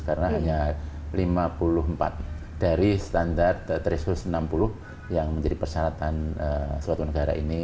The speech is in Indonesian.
karena hanya lima puluh empat dari standar tiga ratus enam puluh yang menjadi persyaratan suatu negara ini